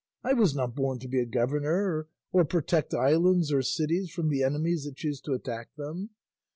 I was not born to be a governor or protect islands or cities from the enemies that choose to attack them.